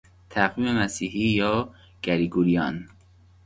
تقویم مسیحی یا گریگوریان